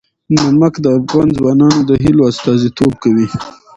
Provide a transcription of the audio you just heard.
نمک د افغان ځوانانو د هیلو استازیتوب کوي.